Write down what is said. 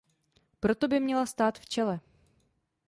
Proto by měla stát v čele.